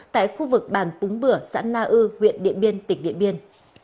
tại khu vực bản púng bửa xã na ư huyện điện biên tỉnh điện biên